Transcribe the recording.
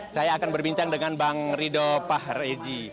saya akan berbincang dengan bang rido pahreji